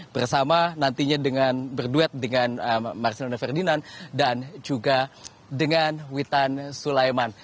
bersama nantinya dengan berduet dengan marcelino ferdinand dan juga dengan witan sulaiman